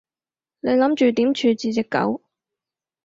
你諗住點處置隻狗？